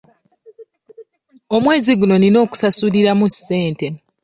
Omwezi guno nnina okusasuliramu ssente.